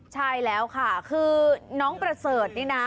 ใช่แล้วค่ะคือน้องประเสริฐนี่นะ